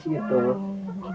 jadi kita jalanin gitu